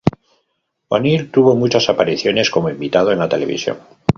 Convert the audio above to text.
O’Neal tuvo muchas apariciones como invitado en la televisión.